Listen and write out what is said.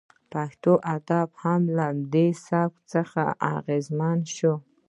پښتو ادب هم له دې سبک څخه اغیزمن شو